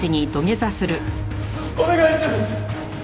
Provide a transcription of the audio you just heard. お願いします！